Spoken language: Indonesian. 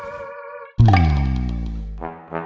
nih bolok ke dalam